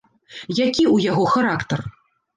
Які ў яго характар?